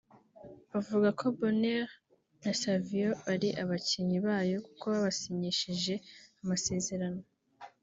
bavuga ko Bonheur na Savio ari abakinnyi bayo kuko babasinyishije amasezerano